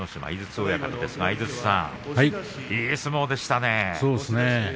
いい相撲でしたね。